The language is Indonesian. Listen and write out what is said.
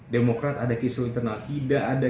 demokrat ada kisru internal ida ada